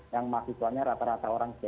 yang mahasiswanya rata rata orang